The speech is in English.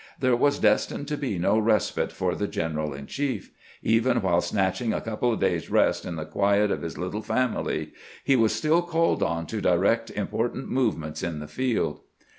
There was destined to be no respite for the general in chief. Even while snatching a' couple of days' rest in the quiet of his little family, he was stiQ called on to direct important movements in the field.